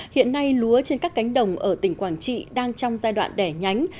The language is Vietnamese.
hiện nay lúa trên các cánh đồng ở tỉnh quảng trị đang trong giai đoạn đẻ nhánh